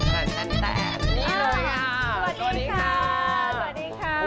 แผ่นแปดนี่เลยค่ะสวัสดีค่ะสวัสดีค่ะ